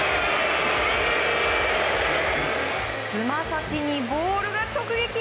つま先にボールが直撃！